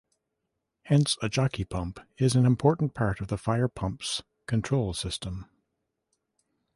Hence a jockey pump is an important part of the fire pumps control system.